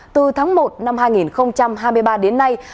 từ tháng một năm hai nghìn hai mươi ba đến nay